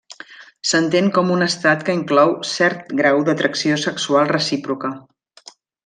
S'entén com un estat que inclou cert grau d'atracció sexual recíproca.